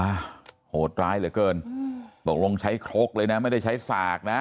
โหดร้ายเหลือเกินอืมตกลงใช้ครกเลยนะไม่ได้ใช้สากนะ